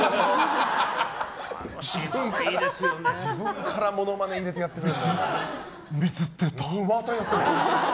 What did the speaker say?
自分からものまね入れてやってる。